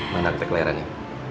mana ritek layarannya